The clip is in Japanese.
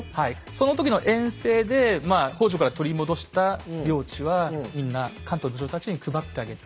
その時の遠征で北条から取り戻した領地はみんな関東の武将たちに配ってあげて。